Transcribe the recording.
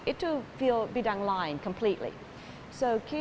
itu bidang lain sepenuhnya